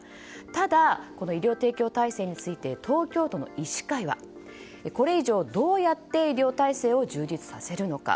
ただ、医療提供体制について東京都の医師会はこれ以上どうやって医療体制を充実させるのか。